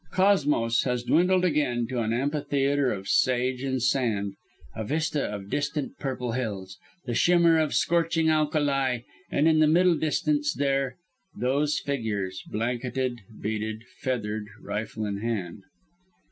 Cosmos has dwindled again to an amphitheatre of sage and sand, a vista of distant purple hills, the shimmer of scorching alkali, and in the middle distance there, those figures, blanketed, beaded, feathered, rifle in hand.